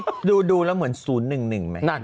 ถูกนี่ดูแล้วเหมือนศูนย์หนึ่งไหม